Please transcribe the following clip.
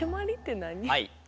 はい。